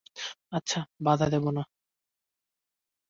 আচ্ছা বাধা দেব না।